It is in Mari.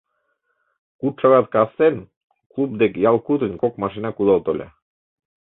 Куд шагат кастен клуб деке ял кутынь кок машина кудал тольо.